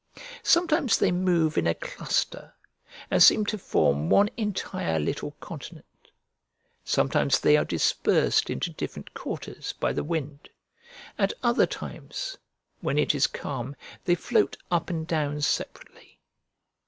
Sometimes they move in a cluster, and seem to form one entire little continent; sometimes they are dispersed into different quarters by the wind; at other times, when it is calm, they float up and down separately.